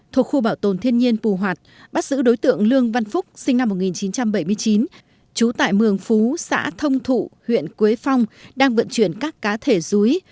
thuộc khu bảo tồn thiên nhiên pù hoạt bắt giữ đối tượng lương văn phúc sinh năm một nghìn chín trăm bảy mươi chín trú tại mường phú xã thông thụ huyện quế phong đang vận chuyển các cá thể rúi